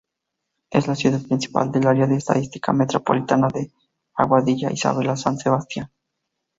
Es la ciudad principal del área de Estadística Metropolitana de Aguadilla-Isabela-San Sebastián.